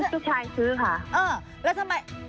ลูกชายซื้อค่ะ